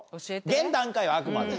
現段階よあくまで。